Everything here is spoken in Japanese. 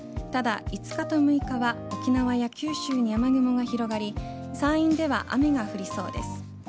ただ、５日と６日は沖縄や九州に雨雲が広がり山陰では雨が降りそうです。